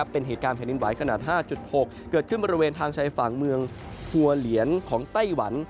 เป็นเหตุการณ์แผ่นดินไหวขนาด๕๖เกิดขึ้นบริเวณทางชายฝั่งเมืองหัวเหลียนของไต้หวัน